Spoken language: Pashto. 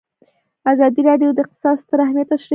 ازادي راډیو د اقتصاد ستر اهميت تشریح کړی.